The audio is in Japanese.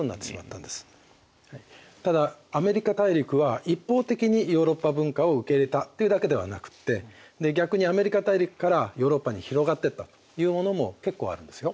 ただアメリカ大陸は一方的にヨーロッパ文化を受け入れたっていうだけではなくって逆にアメリカ大陸からヨーロッパに広がってったというものも結構あるんですよ。